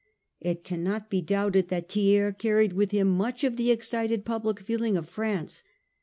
It cannot be doubted that Thiers carried with him much of the excited public feeling of France.